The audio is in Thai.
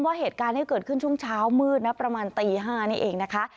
ว่าเหตุการณ์ที่เกิดขึ้นช่วงเช้ามืดนะประมาณตี๕นี่เองนะคะ